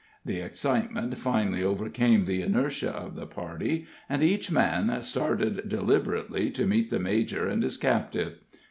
The excitement finally overcame the inertia of the party, and each man started deliberately to meet the major and his captive.